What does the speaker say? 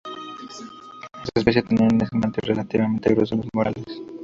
Esta especie tenía un esmalte relativamente grueso en los molares.